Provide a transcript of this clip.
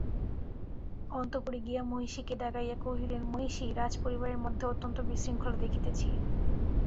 অন্তঃপুরে গিয়া মহিষীকে ডাকাইয়া কহিলেন, মহিষী, রাজপরিবারের মধ্যে অত্যন্ত বিশৃঙ্খলা দেখিতেছি।